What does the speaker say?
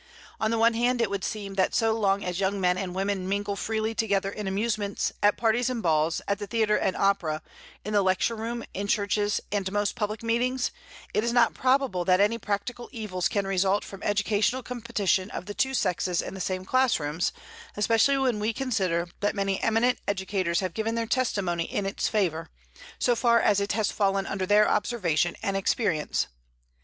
On the one hand, it would seem that so long as young men and women mingle freely together in amusements, at parties and balls, at the theatre and opera, in the lecture room, in churches, and most public meetings, it is not probable that any practical evils can result from educational competition of the two sexes in the same class rooms, especially when we consider that many eminent educators have given their testimony in its favor, so far as it has fallen under their observation and experience.